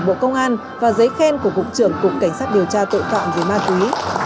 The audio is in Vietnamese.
bộ công an và giấy khen của cục trưởng cục cảnh sát điều tra tội phạm về ma túy